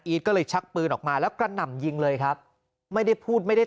ก็เลยชักปืนออกมาแล้วกระหน่ำยิงเลยครับไม่ได้พูดไม่ได้